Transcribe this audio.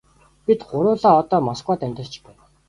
Бид гурвуулаа одоо Москвад амьдарч байна.